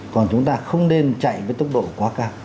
còn chúng ta không nên chạy với tốc độ quá cao